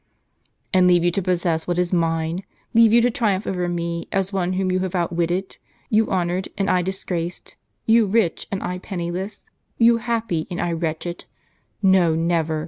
"And leave you to possess what is mine? leave you to triumph over me, as one whom you have outwitted — you honored, and I disgraced — you rich, and I penniless — you happy, and I wretched? No, never!